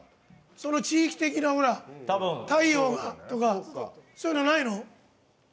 地域的な、太陽がとかそういうのはないの？